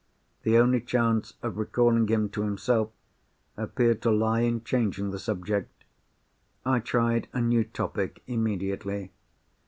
The only chance of recalling him to himself appeared to lie in changing the subject. I tried a new topic immediately.